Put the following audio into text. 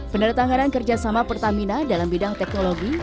peneretanganan kerjasama pertamina dalam bidang teknologi